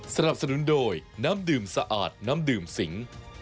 สนับสนุนโดยน้ำดื่มสะอาดน้ำดื่มสิง